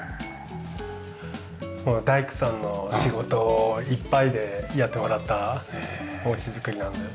大工さんの仕事をいっぱいでやってもらったお家づくりなので。